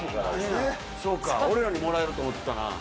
そうか俺らにもらえると思ってたな。